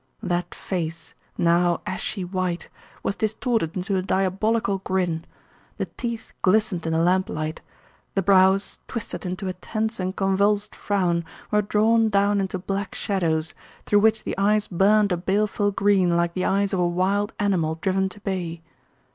That face, now ashy white, was distorted into a diabolical grin. The teeth glistened in the lamplight. The brows, twisted into a tense and convulsed frown, were drawn down into black shadows, through which the eyes burned a baleful green like the eyes of a wild animal driven to bay.